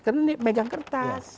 karena ini pegang kertas